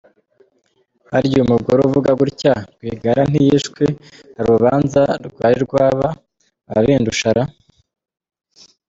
Harya uyu mugore uvuga gutya Rwigara ntiyishwe harurubanza rwari rwaba ababindusha ra?.